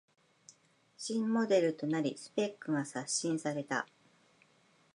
新モデルとなりスペックが刷新された